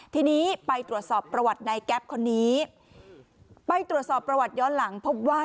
ทีนี้ไปตรวจสอบประวัติในแก๊ปคนนี้ไปตรวจสอบประวัติย้อนหลังพบว่า